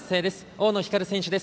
大野ひかる選手です。